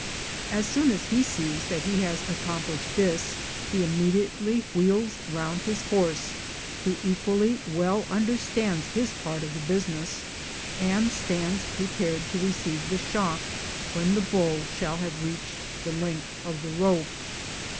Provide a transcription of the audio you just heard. As soon as he sees that he has accomplished this, he immediately wheels round his horse, who equally well understands his part of the business, and stands prepared to receive the shock when the bull shall have reached the length of the rope.